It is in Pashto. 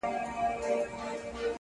د هوا له لاري صحنه ثبتېږي او نړۍ ته ځي,